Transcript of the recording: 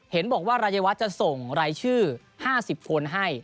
เห็นบอกว่ารายวัฒน์จะส่งรายชื่อ๕๐คนให้